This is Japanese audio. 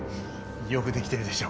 よくできてるでしょ。